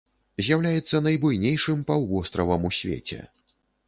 З'яўляецца найбуйнейшым паўвостравам у свеце.